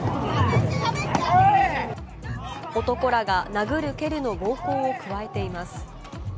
男らが殴る蹴るの暴行をくわえています